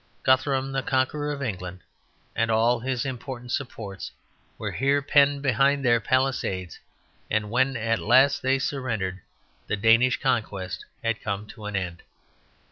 Guthrum, the conqueror of England, and all his important supports, were here penned behind their palisades, and when at last they surrendered the Danish conquest had come to an end.